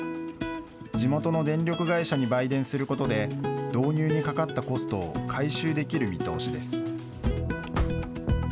地元の電力会社に売電することで、導入にかかったコストを回収できる見通しです。